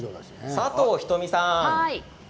佐藤仁美さん